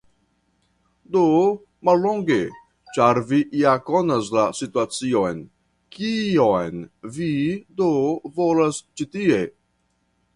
Do, mallonge, ĉar vi ja konas la situacion, kion vi do volas ĉi tie?